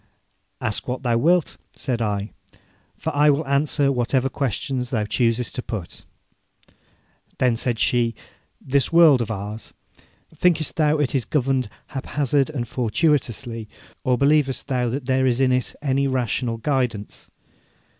'Ask what thou wilt,' said I, 'for I will answer whatever questions thou choosest to put.' Then said she: 'This world of ours thinkest thou it is governed haphazard and fortuitously, or believest thou that there is in it any rational guidance?'